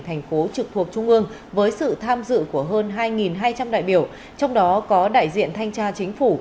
thành phố trực thuộc trung ương với sự tham dự của hơn hai hai trăm linh đại biểu trong đó có đại diện thanh tra chính phủ